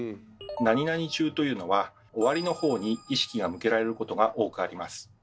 「中」というのは「終わり」の方に意識が向けられることが多くあります。